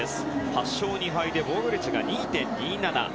８勝２敗で防御率が２．２７。